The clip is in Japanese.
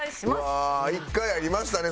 うわあ１回ありましたね